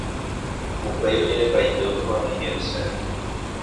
upéi ojerepaite otupãnói jey chéve.